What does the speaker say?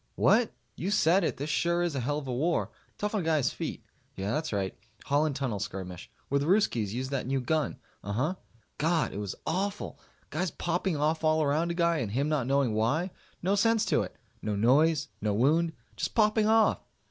What? You said it! This sure is a hell of a war. Tough on a guy's feet. Yeah, that's right. Holland Tunnel skirmish. Where the Ruskies used that new gun. Uhuh. God! It was awful. Guys popping off all around a guy and him not knowing why. No sense to it. No noise. No wound. Just popping off.